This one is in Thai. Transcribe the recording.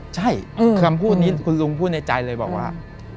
ใช่คำพูดนี้คุณลุงพูดในใจเลยบอกว่า